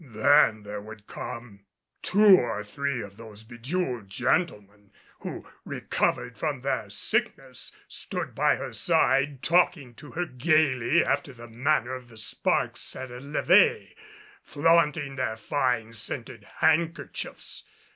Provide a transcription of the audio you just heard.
Then there would come two or three of those bejeweled gentlemen; who, recovered from their sickness, stood by her side talking to her gaily after the manner of the sparks at a levee, flaunting their fine scented handkerchiefs.